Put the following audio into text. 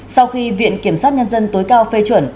sau khi viện kiểm sát nhân dân tối cao phê chuẩn